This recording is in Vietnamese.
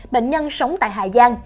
bệnh nhân sống tại hà giang